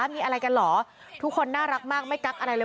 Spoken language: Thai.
มีอะไรกันเหรอทุกคนน่ารักมากไม่กักอะไรเลย